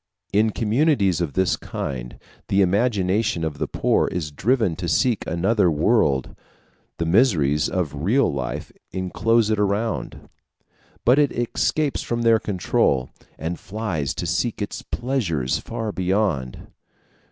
In communities of this kind, the imagination of the poor is driven to seek another world; the miseries of real life inclose it around, but it escapes from their control, and flies to seek its pleasures far beyond.